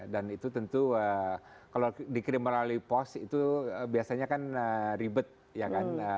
dan itu tentu kalau dikirim melalui pos itu biasanya kan ribet ya kan